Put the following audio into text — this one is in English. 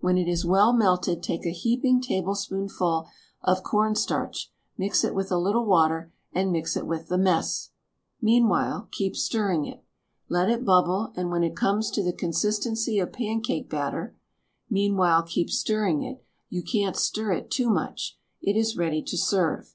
When it is well melted take a heaping tablespoonful of corn starch, mix it with a little water, and mix it with the mess. Meanwhile keep stirring it. Let it bubble and when it comes to the consistency of pancake batter (meanwhile keep stirring it — you can't stir it too much!) it is ready to serve.